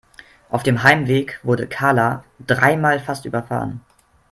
Auf dem Heimweg wurde Karla dreimal fast überfahren.